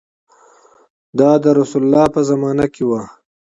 دا په رسول الله په زمانه کې و.